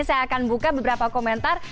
saya akan buka beberapa komentar